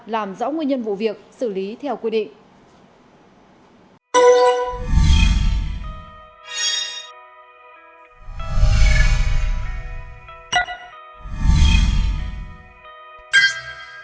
làm rõ nguyên nhân vụ việc xử lý theo quy định